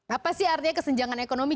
apa sih artinya kesenjangan ekonomi